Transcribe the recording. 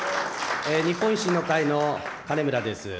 日本維新の会の金村です。